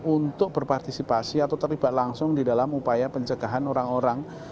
untuk berpartisipasi atau terlibat langsung di dalam upaya pencegahan orang orang